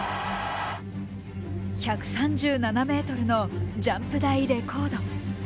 １３７ｍのジャンプ台レコード。